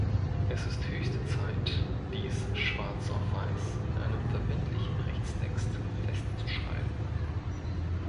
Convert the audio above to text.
Es ist höchste Zeit, dies schwarz auf weiß in einem verbindlichen Rechtstext festzuschreiben.